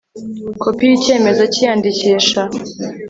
Kopi y icyemezo cy iyandikisha